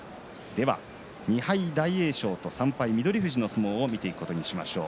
２敗大栄翔と３敗翠富士の相撲を見ていくことにしましょう。